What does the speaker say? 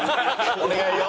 お願いよ。